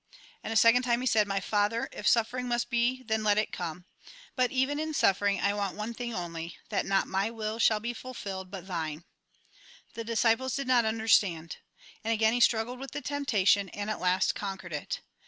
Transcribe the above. And a second time he said :" My Pather, if suffering Biust be, then let it come. But even in suffering, I want one thing only: that not my will shall be fulfilled, but thine." The disciples did not under stand. And again he struggled with the tempta tion ; and at last conquered it.